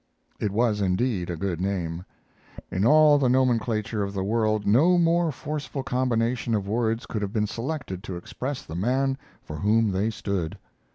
It was indeed a good name. In all the nomenclature of the world no more forceful combination of words could have been selected to express the man for whom they stood.